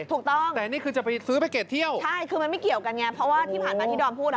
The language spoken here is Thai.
ถูกต้องใช่คือมันไม่เกี่ยวกันไงเพราะว่าที่ผ่านมาที่ดอมพูด